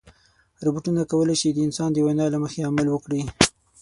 روبوټونه کولی شي د انسان د وینا له مخې عمل وکړي.